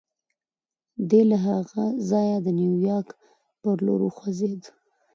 دی له هغه ځايه د نيويارک پر لور وخوځېد.